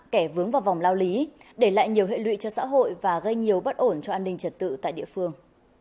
kẻ vướng vào vòng lao lý để lại nhiều hệ lụy cho xã hội và gây nhiều bất ổn cho an ninh trật tự tại địa phương